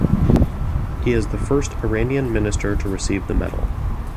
He is the first Iranian minister to receive the medal.